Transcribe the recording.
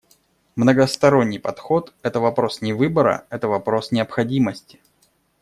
Многосторонний подход — это вопрос не выбора, это вопрос необходимости.